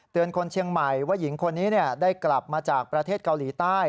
คนเชียงใหม่ว่าหญิงคนนี้ได้กลับมาจากประเทศเกาหลีใต้